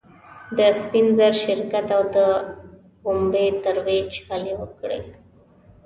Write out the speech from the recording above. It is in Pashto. د سپین زر شرکت او د پومبې ترویج هلې وې.